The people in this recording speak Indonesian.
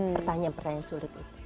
pertanyaan pertanyaan sulit itu